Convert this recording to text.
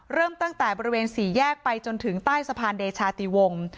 เริ่มตั้งแต่บริเวณสี่แยกไปจนถึงใต้สะพานเดชาติวงศ์